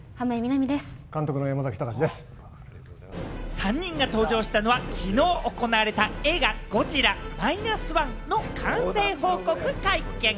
３人が登場したのはきのう行われた映画『ゴジラ−１．０』の完成報告会見。